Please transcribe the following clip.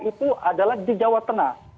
itu adalah di jawa tengah